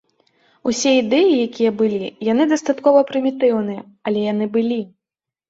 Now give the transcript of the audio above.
Усе ідэі, якія былі, яны дастаткова прымітыўныя, але яны былі.